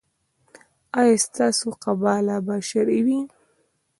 ایا ستاسو قباله به شرعي وي؟